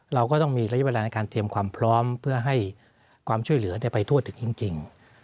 เราก็ต้องมีระยะเวลาในการเตรียมความพร้อมเพื่อให้ความช่วยเหลือไปทั่วถึงจริง